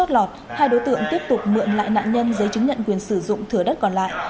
lọt hai đối tượng tiếp tục mượn lại nạn nhân giấy chứng nhận quyền sử dụng thửa đất còn lại